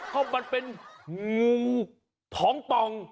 ก็มันเป็นงูท้องป่อง